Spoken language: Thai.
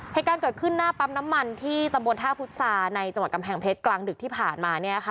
เหตุการณ์เกิดขึ้นหน้าปั๊มน้ำมันที่ตำบลท่าพุษาในจังหวัดกำแพงเพชรกลางดึกที่ผ่านมา